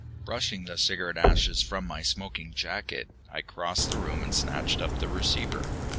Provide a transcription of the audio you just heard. Brushing the cigarette ashes from my smoking jacket, I crossed the room and snatched up the receiver.